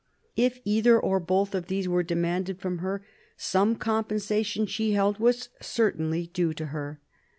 If either or both of these were demanded from her, some compensation, she held, was certainly due to her.